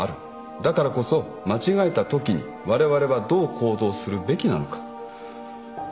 だからこそ間違えたときにわれわれはどう行動するべきなのか。